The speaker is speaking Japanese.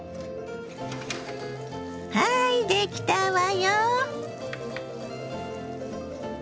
はいできたわよ。